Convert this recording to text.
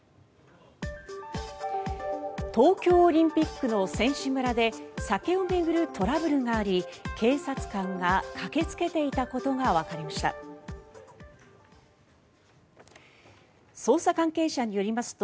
東京オリンピックの選手村で酒を巡るトラブルがあり警察官が駆けつけていたことがわかりました。